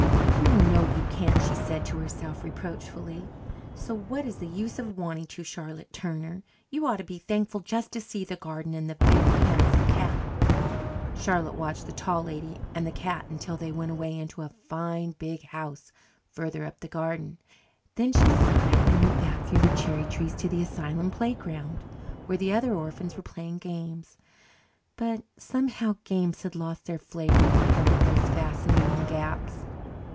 "You know you can't," she said to herself reproachfully, "so what is the use of wanting to, Charlotte Turner? You ought to be thankful just to see the garden and the Very Handsome Cat." Charlotte watched the Tall Lady and the Cat until they went away into a fine, big house further up the garden, then she sighed and went back through the cherry trees to the asylum playground, where the other orphans were playing games. But, somehow, games had lost their flavour compared with those fascinating gaps.